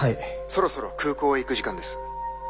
そろそろ空港へ行く時間です。